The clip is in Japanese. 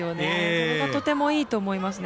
それが、とてもいいと思いますね。